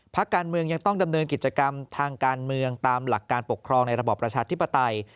พักการเมืองยังต้องดำเนินกิจกรรมทางการเมืองตามหลักการปกครองในระบอบประชาธิปไตย